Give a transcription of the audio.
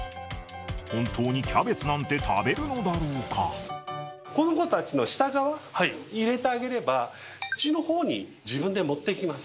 本当にキャベツなんて食べるのだこの子たちの下側に入れてあげれば、口のほうに自分で持っていきます。